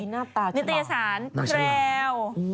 นิตยสารแคลว